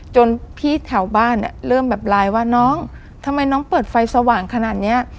จนพี่แถวบ้านเนี่ยเริ่มแบบไลน์ว่าน้องทำไมน้องเปิดไฟสว่างขนาดเนี้ย